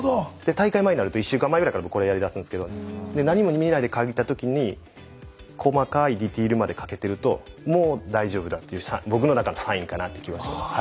大会前になると１週間前ぐらいから僕これやりだすんですけど何も見ないで描いた時に細かいディテールまで描けてるともう大丈夫だっていう僕の中のサインかなっていう気はしてます。